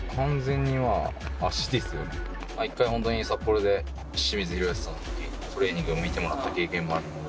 一回、札幌で清水宏保さんにトレーニングを見てもらった経験もあるので。